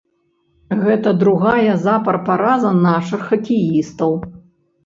Гэта другая запар параза нашых хакеістаў.